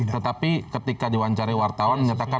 tetapi ketika diwawancari wartawan menyatakan